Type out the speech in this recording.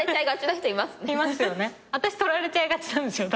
私とられちゃいがちなんですよ